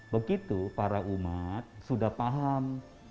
begitu para umat sudah paham